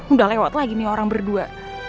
udah lewat lagi nih orang berdua